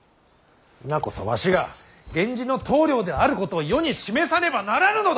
今こそわしが源氏の棟梁であることを世に示さねばならぬのだ！